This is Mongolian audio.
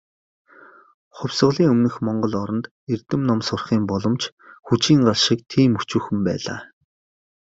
Хувьсгалын өмнөх монгол оронд, эрдэм ном сурахын боломж "хүжийн гал" шиг тийм өчүүхэн байлаа.